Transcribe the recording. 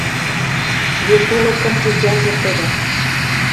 Вет улы кым тетяжӹ тӹдӹн